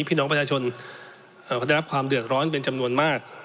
พี่น้องประชาชนเขาได้รับความเดือดร้อนเป็นจำนวนมาก